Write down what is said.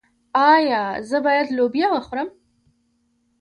ایا زه باید لوبیا وخورم؟